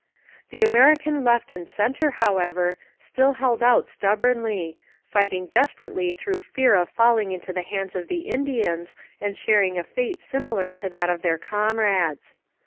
The American left and centre, however, still held out stubbornly, fighting desperately through fear of falling into the hands of the Indians and sharing a fate similar to that of their comrades.